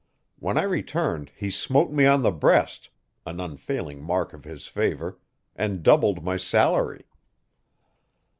When I returned he smote me on the breast an unfailing mark of his favour and doubled my salary.